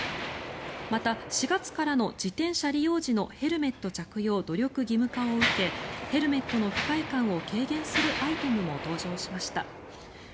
また４月からの自転車利用者へのヘルメット着用努力義務を受けヘルメットの不快感を軽減するアイテムも登場しました。